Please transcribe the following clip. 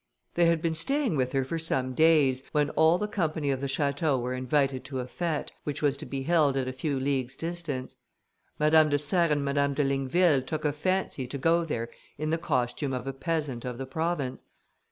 They had been staying with her for some days, when all the company of the château were invited to a fête, which was to be held at a few leagues' distance. Madame de Serres and Madame de Ligneville took a fancy to go there in the costume of a peasant of the province.